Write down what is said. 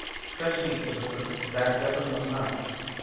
" Fetch me," said the prince, " that weapon of a man."